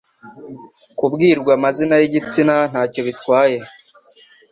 kubwirwa amazina y'igitsina ntacyo bitwaye.